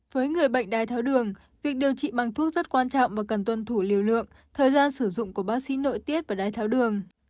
với người bệnh đai tháo đường việc điều trị bằng thuốc rất quan trọng và cần tuân thủ liều lượng thời gian sử dụng của bác sĩ nội tiết và đái tháo đường